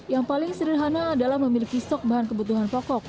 yang paling sederhana adalah memiliki stok bahan kebutuhan pokok